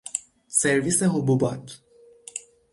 سرویس حبوبات